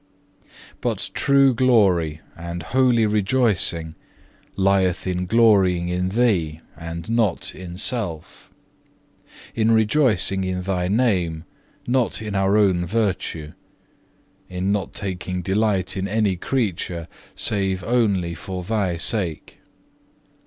5. But true glory and holy rejoicing lieth in glorying in Thee and not in self; in rejoicing in Thy Name, not in our own virtue; in not taking delight in any creature, save only for Thy sake.